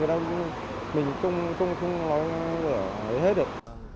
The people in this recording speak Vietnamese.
thì mình không nói hết được